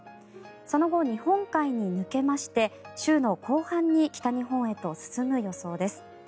その後、日本海に抜けまして週の後半に北日本へと進む予想です。